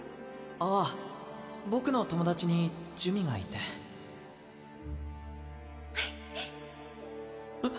ああ僕の友達に珠魅がいてあっ。